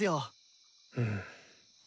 うん。